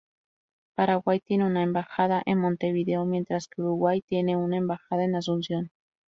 Paraguay tiene una embajada en Montevideo, mientras que Uruguay tiene una embajada en Asunción.